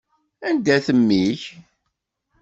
Anda-t mmi-k?